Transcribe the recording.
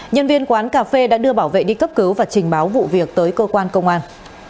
nhân viên quán cà phê đã đưa bảo vệ đi cấp cứu và trình báo vụ việc tới cơ quan công an